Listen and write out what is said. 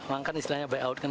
makan istilahnya buyout kan